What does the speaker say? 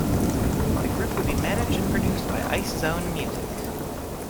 The group would be managed and produced by Icezone Music.